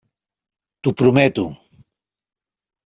T'ho prometo.